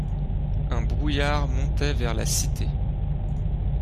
Un brouillard montait vers la cité.